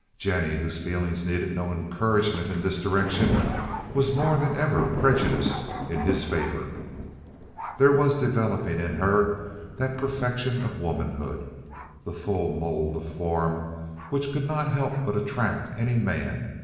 Jennie, whose feelings needed no encouragement in this direction, was more than ever prejudiced in his favor. There was developing in her that perfection of womanhood, the full mold of form, which could not help but attract any man.